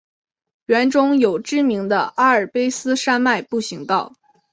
园中有知名的阿尔卑斯山脉步行道。